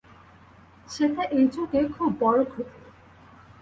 সেটা এই যুগে খুব বড় ক্ষতি।